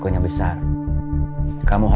kinanti tidak suka